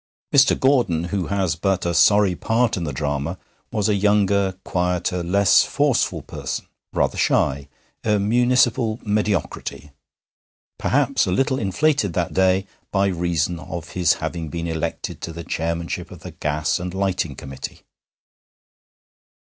Mr. Gordon, who has but a sorry part in the drama, was a younger, quieter, less forceful person, rather shy; a municipal mediocrity, perhaps a little inflated that day by reason of his having been elected to the Chairmanship of the Gas and Lighting Committee.